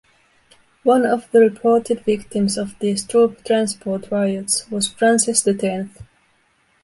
One of the reported victims of these troop transport riots was Francis the Tenth.